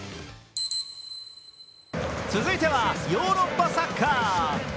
続いてはヨーロッパサッカー。